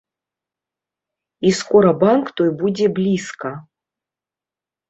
І скора банк той будзе блізка.